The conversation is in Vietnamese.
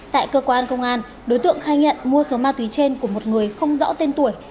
tại cơ quan công an đối tượng khai nhận mua số ma túy trên của một người không rõ tên tuổi